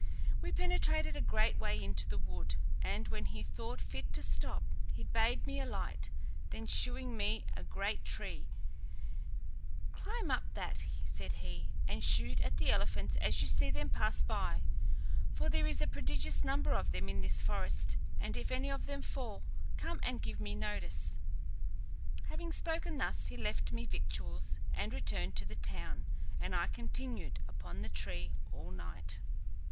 We penetrated a great way into the wood, and when he thought fit to stop, he bade me alight; then shewing me a great tree, "Climb up that," said he, "and shoot at the elephants as you see them pass by, for there is a prodigious number of them in this forest, and if any of them fall, come and give me notice." Having spoken thus, he left me victuals, and returned to the town, and I continued upon the tree all night.